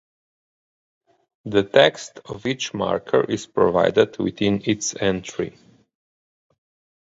The text of each marker is provided within its entry.